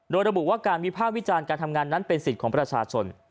โดยระบุว่าการวิภาควิจารณ์การทำงานนั้นเป็นสิทธิ์ของประชาชน